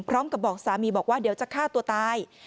พร้อมกับบอกสามีบอกว่าเดี๋ยวจะฆ่าตัวตาย